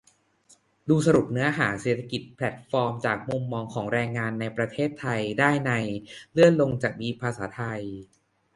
ดูสรุปเนื้อหา "เศรษฐกิจแพลตฟอร์มจากมุมมองของแรงงานในประเทศไทย" ได้ใน เลื่อนลงจะมีภาษาไทย